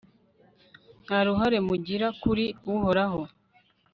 nta ruhare mugira kuri uhoraho